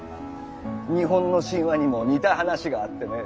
日本の神話にも似た話があってね